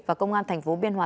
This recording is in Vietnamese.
và công an thành phố biên hòa